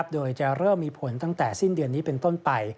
โดยจะเริ่มมีผลตั้งแต่สิ้นเดือนนี้เป็นต้นไป